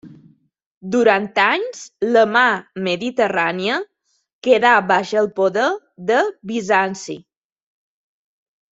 Durant anys, la mar Mediterrània quedà baix el poder de Bizanci.